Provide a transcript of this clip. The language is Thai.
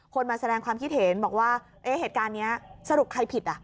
มาแสดงความคิดเห็นบอกว่าเอ๊ะเหตุการณ์นี้สรุปใครผิดอ่ะ